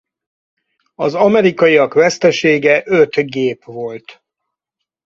Az amerikaiak vesztesége öt gép volt.